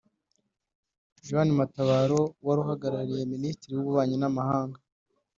Joan Matabaro wari uhagarariye Minisiteri y’ububanyi n’amahanga